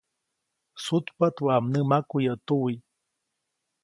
Sutpaʼt waʼa mnämaku yäʼ tuwi.